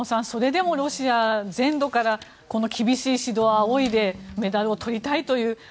それでもロシア全土からこの厳しい指導を仰いでメダルを取りたいという。